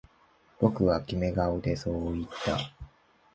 僕はキメ顔でそう言った